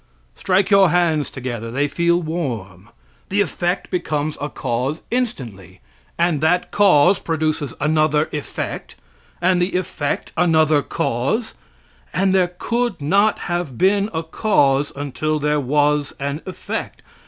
Strike your hands together; they feel warm. The effect becomes a cause instantly, and that cause produces another effect, and the effect another cause; and there could not have been a cause until there was an effect.